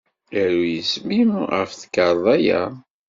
Aru isem-im ɣef tkarḍa-a.